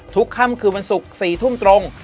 ค่ำคืนวันศุกร์๔ทุ่มตรง